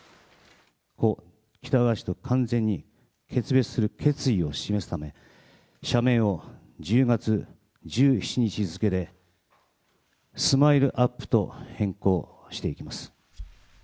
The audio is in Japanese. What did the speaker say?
故・喜多川氏と完全に決別する決意を示すため、社名を１０月１７日付で、ＳＭＩＬＥーＵＰ．と変更していきます。